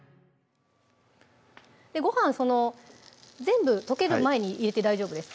ご飯全部溶ける前に入れて大丈夫です